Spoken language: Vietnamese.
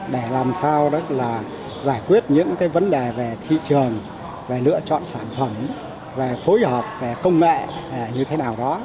để làm sao giải quyết những vấn đề về thị trường lựa chọn sản phẩm phối hợp công nghệ như thế nào đó